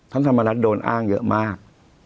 ท่านธรรมนัสโดนอ้างเยอะมาก